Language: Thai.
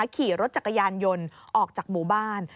ขี่รถจักรยานยนต์ออกจากหมู่บ้าน